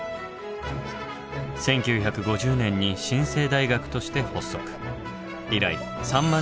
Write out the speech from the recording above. １９５０年に新制大学として発足。